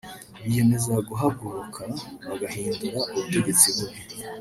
biyemeza guhaguruka bagahindura ubutegetsi bubi